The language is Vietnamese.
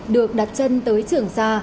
được đặt chân tới trường sa